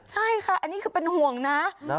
ใช่ค่ะอันนี้คือเป็นห่วงนะ